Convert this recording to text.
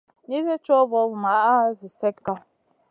Nizi cow vovumaʼa zi slekka.